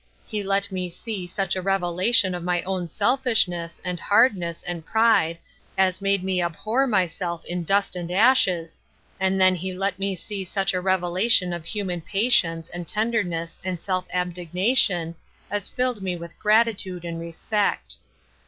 He let me see such a revelation of my own selfishness, and hardness, and pride, as made me abhor myself in ' dust and ashes,' and then be Re8t$, 231 let me see such a revelation of human patience, and tenderness, and self abnegation, as filled me with gratitude and respect.